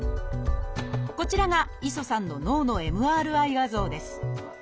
こちらが磯さんの脳のＭＲＩ画像です。